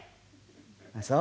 「あっそう。